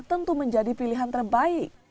tentu menjadi pilihan terbaik